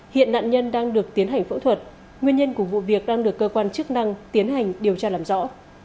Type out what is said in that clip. hiện nạn nhân đang được tiến hành phẫu thuật nguyên nhân của vụ việc đang được cơ quan chức năng tiến hành điều tra làm rõ